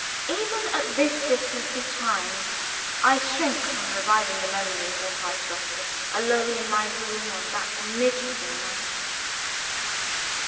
Even at this distance of time, I shrink from reviving the memory of what I suffered, alone in my room on that miserable night.